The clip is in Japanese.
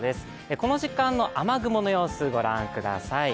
この時間の雨雲の様子ご覧ください。